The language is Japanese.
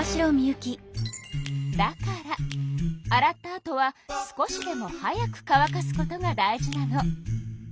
だから洗ったあとは少しでも早く乾かすことが大事なの。